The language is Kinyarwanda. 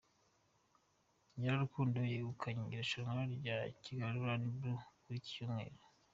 Nyirarukundo yegukanye irushanwa rya Kigali Run Blue kuri iki cyumweru.